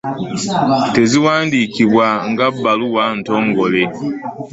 Teziwandiikibwa nga bbaluwa ntongole.